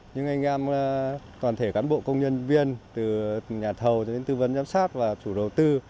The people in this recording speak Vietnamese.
nhưng anh em toàn thể cán bộ công nhân viên từ nhà thầu cho đến tư vấn giám sát và chủ đầu tư